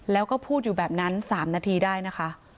แล้วก็พูดอยู่แบบนั้น๓นาทีได้นะคะ